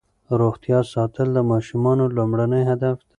روغتیا ساتل د ماشومانو لومړنی هدف دی.